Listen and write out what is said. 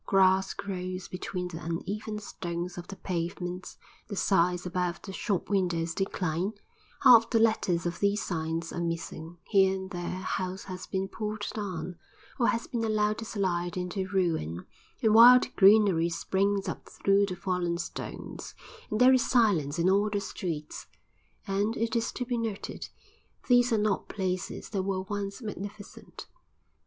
Grass grows between the uneven stones of the pavements, the signs above the shop windows decline, half the letters of these signs are missing, here and there a house has been pulled down, or has been allowed to slide into ruin, and wild greenery springs up through the fallen stones, and there is silence in all the streets. And, it is to be noted, these are not places that were once magnificent.